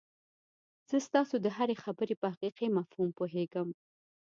زه ستاسو د هرې خبرې په حقيقي مفهوم پوهېږم.